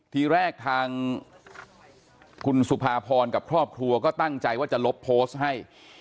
ทีแรกทางคุณสุภาพรกับครอบครัวก็ตั้งใจว่าจะลบโพสต์ให้